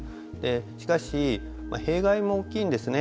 しかし、弊害も大きいんですね。